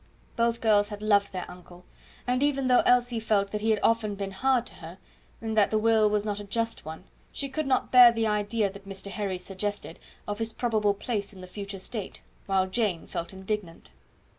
Both girls had loved their uncle; and even though Elsie felt that he had been often hard to her, and that the will was not a just one, she could not bear the idea that Mr. Herries suggested of his probable place in the future state, while Jane felt indignant.